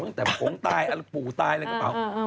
ตั้งแต่ผงตายอะไรปู่ตายอะไรกระเป๋า